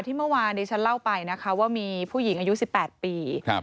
เมื่อวานนี้ฉันเล่าไปนะคะว่ามีผู้หญิงอายุ๑๘ปี